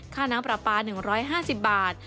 ค่าน้ำปลาปลา๑๕๐บาท